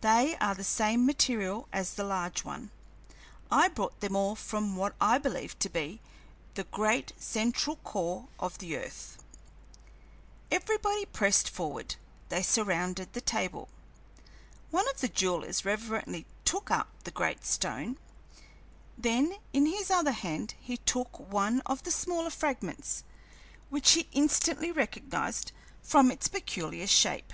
"They are of the same material as the large one. I brought them all from what I believe to be the great central core of the earth." Everybody pressed forward, they surrounded the table. One of the jewelers reverently took up the great stone; then in his other hand he took one of the smaller fragments, which he instantly recognized from its peculiar shape.